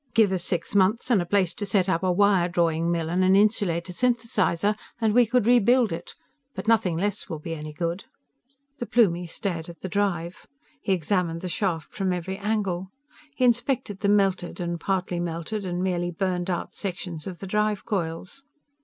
"Give us six months and a place to set up a wire drawing mill and an insulator synthesizer, and we could rebuild it. But nothing less will be any good." The Plumie stared at the drive. He examined the shaft from every angle. He inspected the melted, and partly melted, and merely burned out sections of the drive coils.